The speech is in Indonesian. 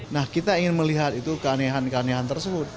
nah kita ingin melihat itu keanehan keanehan tersebut